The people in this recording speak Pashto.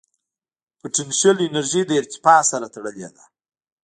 پټنشل انرژي د ارتفاع سره تړلې ده.